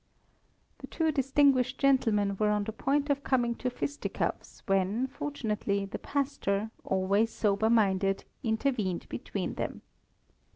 The two distinguished gentlemen were on the point of coming to fisticuffs when, fortunately, the pastor, always sober minded, intervened between them.